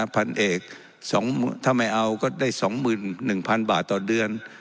พันเอกถ้าไม่เอาก็ได้๒๑๐๐๐บาทต่อเดือน